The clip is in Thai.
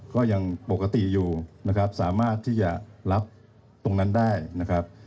ก็ยังปกติอยู่นะครับสามารถที่จะรับตรงนั้นได้นะครับ